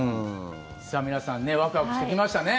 皆さんワクワクしてきましたね。